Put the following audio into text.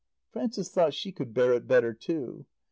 Frances thought she could bear it better too.